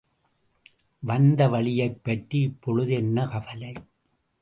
வந்த வழியைப் பற்றி இப்பொழுது என்ன கவலை?